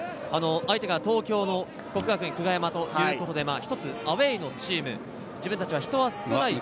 相手が東京の國學院久我山ということで、少しアウェーのチーム、自分達は人は少ない。